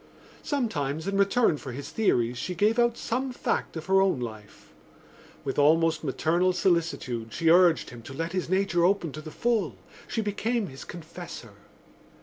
Sometimes in return for his theories she gave out some fact of her own life. With almost maternal solicitude she urged him to let his nature open to the full: she became his confessor.